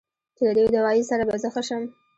چې د دې دوائي سره به زۀ ښۀ شم